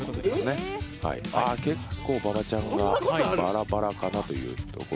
結構、馬場ちゃんがバラバラバラというところ。